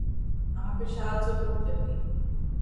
আমাকে সাহায্য করতে দিন।